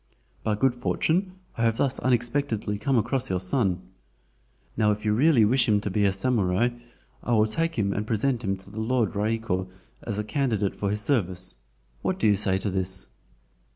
By good fortune, I have thus unexpectedly come across your son. Now if you really wish him to be a SAMURAI (a knight), I will take him and present him to the Lord Raiko as a candidate for his service. What do you say to this?"